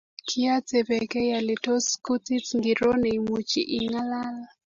Kiatebekei ale tos kutit ngiro neimuchi ingalal